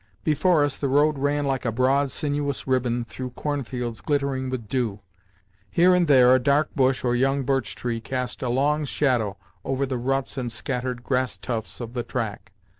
Before us the road ran like a broad, sinuous ribbon through cornfields glittering with dew. Here and there a dark bush or young birch tree cast a long shadow over the ruts and scattered grass tufts of the track.